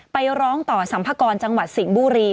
ไปร้องต่อสัมภากรจังหวัดสิงห์บุรี